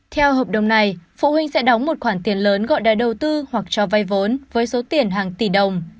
theo hợp đồng này phụ huynh sẽ đóng một khoản tiền lớn gọi đại đầu tư hoặc cho vay vốn với số tiền hàng tỷ đồng